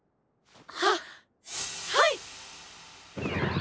はっはい！